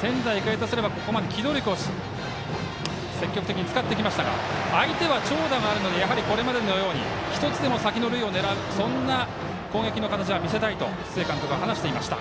仙台育英とすれば、ここまで機動力を積極的に使ってきましたが相手は長打があるのでこれまでのように１つでも先の塁を狙うそんな攻撃の形を見せたいと須江監督は話していました。